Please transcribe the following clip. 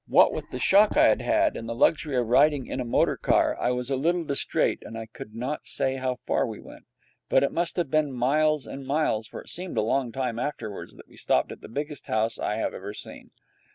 What with the shock I had had and the luxury of riding in a motor car, I was a little distrait, and I could not say how far we went. But it must have been miles and miles, for it seemed a long time afterwards that we stopped at the biggest house I have ever seen.